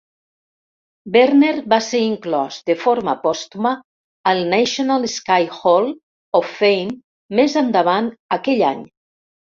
Werner va ser inclòs de forma pòstuma al National Ski Hall of Fame més endavant aquell any.